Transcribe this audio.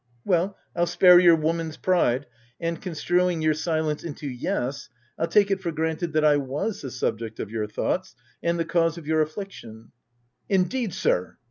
— Well, I'll spare your woman's pride, and, construing your silence into • Yes,' Fll take it for granted that I was the subject of your thoughts, and the cause of your affliction "" Indeed, sir—" OF W1LDFELL HALL.